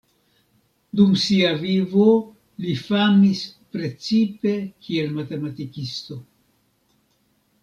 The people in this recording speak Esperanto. Dum sia vivo li famis precipe kiel matematikisto.